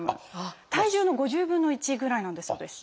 体重の５０分の１ぐらいなんだそうです。